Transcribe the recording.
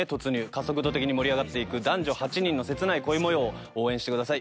加速度的に盛り上がっていく男女８人の切ない恋模様を応援してください。